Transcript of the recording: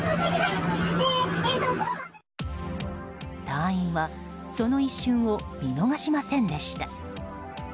隊員は、その一瞬を見逃しませんでした。